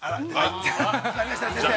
◆やりました、先生。